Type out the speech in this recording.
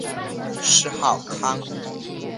谥号康。